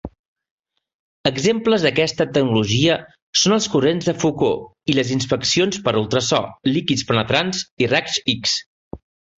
Exemples d'aquesta tecnologia són els corrents de Foucault, i les inspeccions per ultrasò, líquids penetrants i raigs X.